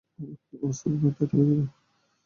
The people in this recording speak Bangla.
অবস্থা একদম টাইট হয়ে যাবে!